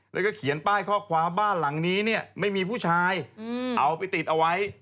แล้วก็เขียนป้ายข้อความบ้านหลังนี้เนี่ยไม่มีผู้ชายเอาไปติดเอาไว้